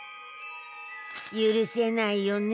許せないよね